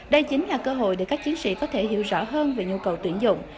đây chính là cơ hội để các chiến sĩ có thể hiểu rõ hơn về nhu cầu tuyển dụng